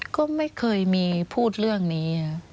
ก็ไม่เคยมีพูดเรื่องนี้